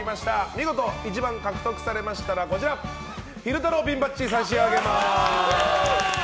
見事１番を獲得されましたら昼太郎ピンバッジを差し上げます。